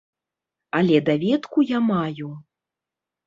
Але даведку я маю.